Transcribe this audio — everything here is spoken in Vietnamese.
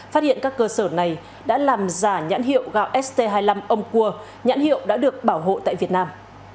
phát hiện các cơ sở này đã làm giả nhãn hiệu gạo st hai mươi năm ông cua nhãn hiệu đã được bảo hộ tại việt nam